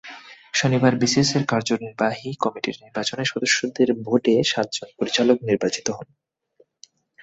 শনিবার বিসিএসের কার্যনির্বাহী কমিটির নির্বাচনে সদস্যদের ভোটে সাতজন পরিচালক নির্বাচিত হন।